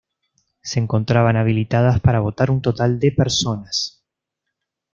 Se encontraban habilitadas para votar un total de personas.